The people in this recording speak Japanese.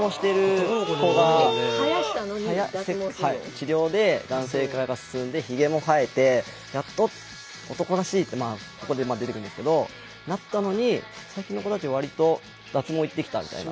治療で男性化が進んでヒゲも生えてやっと男らしいってまあここで出てくるんですけどなったのに最近の子たちは割と脱毛行ってきたみたいな。